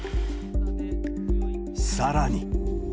さらに。